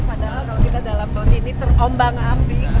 padahal kalau kita dalam boat ini terombang ambing